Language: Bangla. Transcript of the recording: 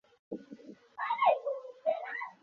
স্নাইডার পূর্বে বিভিন্ন তরুন দলের প্রতিনিধিত্ব করেছেন।